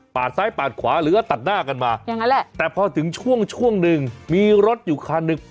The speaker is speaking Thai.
ปากซ้ายปากขวาหรือว่าตัดหน้ากันมายังไงแต่พอถึงช่วงช่วงมีรถอยู่คานนึง